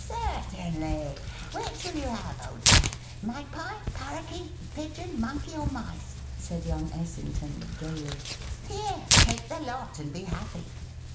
"Certainly. Which will you have, old chap magpie, parrakeet, pigeon, monkey, or mice?" said young Essington, gayly. "Here! take the lot and be happy!"